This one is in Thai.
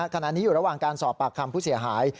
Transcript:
ขณะนี้อยู่ระหว่างการสอบปากคำผู้เสียหาย